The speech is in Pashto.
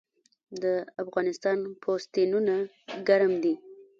د افغانستان پوستینونه ګرم دي